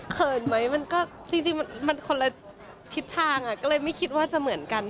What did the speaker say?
ไหมมันก็จริงมันคนละทิศทางก็เลยไม่คิดว่าจะเหมือนกัน